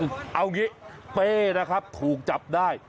เอาอย่างนี้เป้ถูกจับได้